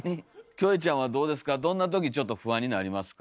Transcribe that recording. キョエちゃんはどうですかどんなときちょっと不安になりますか？